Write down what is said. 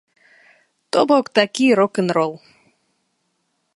То бок такі рок-н-рол.